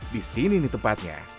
di sini nih tempatnya